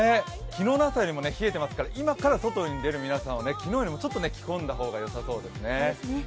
昨日の朝よりも冷えていますから、今から外に出る皆さんは昨日よりもちょっと着込んだ方がよさそうですね。